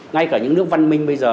ngay cả những nước văn minh bây giờ